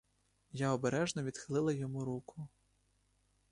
Я обережно відхилила йому руку.